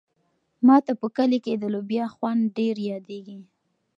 ما ته په کلي کې د لوبیا خوند ډېر یادېږي.